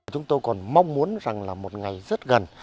chúng tôi còn mong muốn rằng là một ngày rất gần